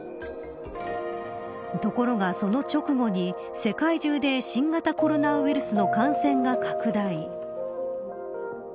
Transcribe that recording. ところが、その直後に世界中で新型コロナウイルスの感染が拡大。